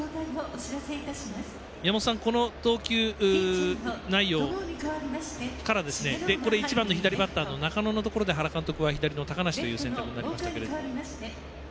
この投球内容から１番の左バッターの中野のところで原監督は左の高梨という選択になりましたけど。